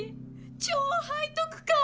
超背徳感！